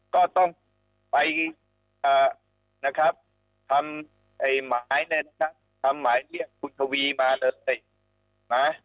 ก็ต้องไปนะครับทำหมายเรียกคุณทวีมาเลย